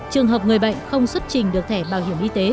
trường hợp người bệnh không xuất trình được thẻ bảo hiểm y tế